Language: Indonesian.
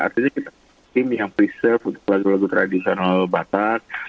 artinya kita tim yang preserve untuk lagu lagu tradisional batak